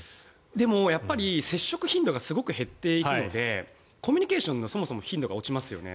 でも接触頻度がすごく減っていくのでコミュニケーションのそもそもの頻度が落ちますよね。